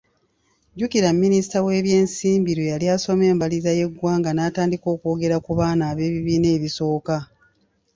Jjukira mminisita w’ebyensimbi lwe yali asoma embalirira y’eggwanga n’atandika okwogera ku baana b'ekibiina ekisooka.